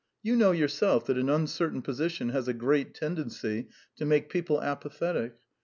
You know yourself that an uncertain position has a great tendency to make people apathetic.